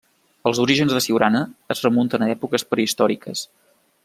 Els orígens de Siurana es remunten a èpoques prehistòriques.